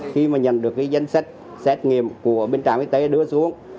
khi mà nhận được cái dân xét nghiệm của bến trạm y tế đưa xuống